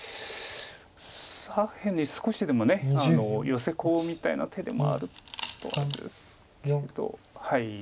左辺に少しでもヨセコウみたいな手でもあるとですけど。